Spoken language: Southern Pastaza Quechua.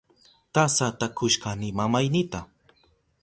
Tasata kushkani mamaynita.